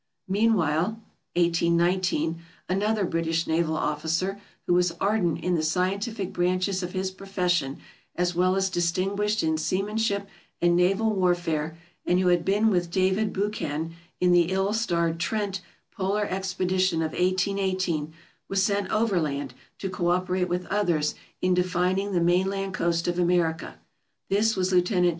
Meanwhile (18 19) another British naval officer, who was ardent in the scientific branches of his profession, as well as distinguished in seamanship and naval warfare, and who had been with David Buchan in the ill starred "Trent" polar expedition of 181 8, was sent overland to cooperate with others in defining the mainland coast of America. This was Lieut.